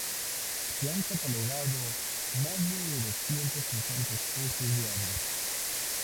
Se han catalogado más de doscientas cincuenta especies de aves.